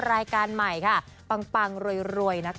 รายการใหม่ต่ำรวย